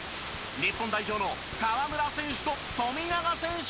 日本代表の河村選手と富永選手が対戦！